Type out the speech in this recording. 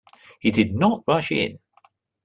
He did not rush in.